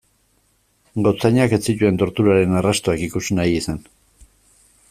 Gotzainak ez zituen torturaren arrastoak ikusi nahi izan.